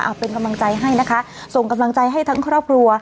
เอาเป็นกำลังใจให้นะคะส่งกำลังใจให้ทั้งครอบครัว